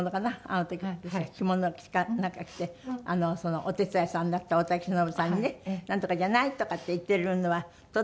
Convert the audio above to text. あの時着物かなんか着てお手伝いさんだった大竹しのぶさんにね「ナントカじゃない？」とかって言ってるのはとっても。